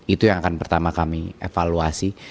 itu yang akan pertama kami evaluasi